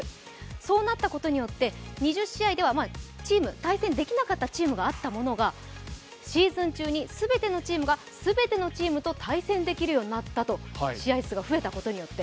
そうなったことによって２０試合では対戦できなかったチームがあったものがシーズン中に全てのチームが全てのチームと対戦できるようになったと、試合数が増えたことによって。